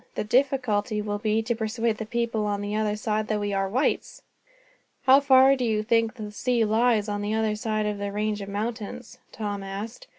The difficulty will be to persuade the people on the other side that we are whites." "How far do you think the sea lies on the other side of this range of giant mountains?" Tom asked.